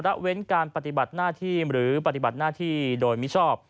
ละเว้นการปฏิบัติหน้าที่หรือปฏิบัติหน้าที่โดยมิชอบ